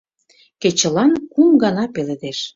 Кечылан кум гана пеледеш.